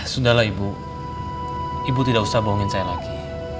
sudahlah ibu ibu tidak usah bohongin saya lagi